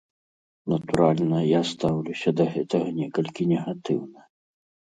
Натуральна, я стаўлюся да гэтага некалькі негатыўна.